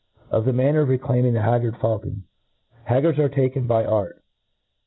Of the Manner of reclaiming the Haggard FauU con^ HAGGARDS are taken by art.